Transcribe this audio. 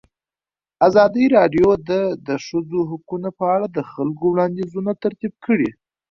ازادي راډیو د د ښځو حقونه په اړه د خلکو وړاندیزونه ترتیب کړي.